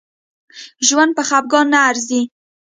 ژوند په خپګان نه ارزي